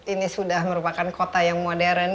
ini sudah merupakan kota yang modern